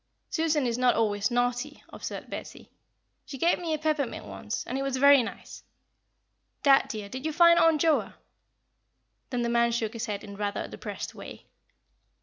"Susan is not always naughty," observed Betty. "She gave me a peppermint once, and it was very nice. Dad, dear, did you find Aunt Joa?" Then the man shook his head in rather a depressed way.